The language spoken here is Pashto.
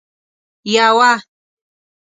یوه